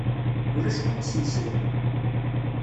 Ulac win i s-yeslan.